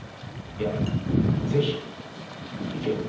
いや是非行けよ。